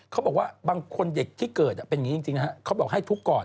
เขาบอกว่าบางคนเด็กที่เกิดเป็นอย่างนี้จริงนะฮะเขาบอกให้ทุกข์ก่อน